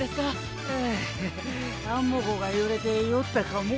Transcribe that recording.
ううアンモ号が揺れて酔ったかも。